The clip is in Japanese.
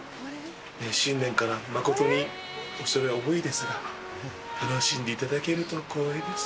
新年から誠に恐れ多いですが、楽しんでいただけると光栄です。